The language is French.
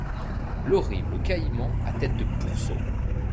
L’horrible caïman à tête de pourceau